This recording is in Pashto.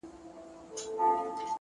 هره پرېکړه د راتلونکي لور ټاکي!